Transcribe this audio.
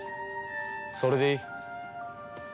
それでいい。